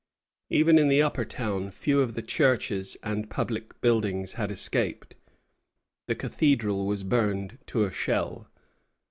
Even in the Upper Town few of the churches and public buildings had escaped. The Cathedral was burned to a shell.